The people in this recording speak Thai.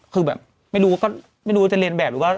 คือแบบไม่รู้ว่าจะเรียนแบบหรือว่า